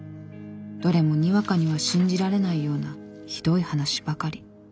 どれもにわかには信じられないようなひどい話ばかり。